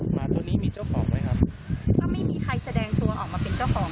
หมาตัวนี้มีเจ้าของไหมครับถ้าไม่มีใครแสดงตัวออกมาเป็นเจ้าของ